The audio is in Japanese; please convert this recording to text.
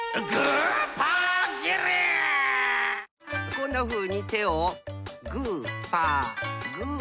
こんなふうに手をグーパーグーパー。